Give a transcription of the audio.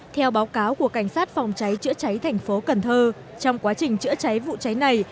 theo báo cáo của cảnh sát phòng cháy chữa cháy tp cn trong quá trình chữa cháy vụ cháy này